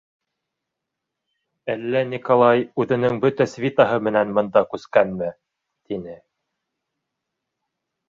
— Әллә Николай үҙенең бөтә свитаһы менән бында күскәнме? — тине.